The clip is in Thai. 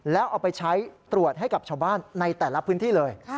แล้วเอาไปใช้ตรวจให้กับชาวบ้านในแต่ละพื้นที่เลย